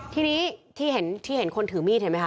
ทีนี้ที่เห็นคนถือมีดเห็นไหมค